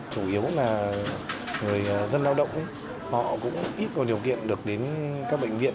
chủ yếu là người dân lao động họ cũng ít có điều kiện được đến các bệnh viện